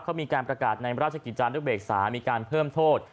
เขามีการประกาศในราชกิจจานุเบกษามีการเพิ่มโทษ